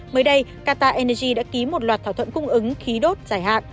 mới đây qatar energy đã ký một loạt thỏa thuận cung ứng khí đốt dài hạn